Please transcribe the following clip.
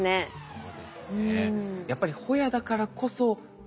そうですね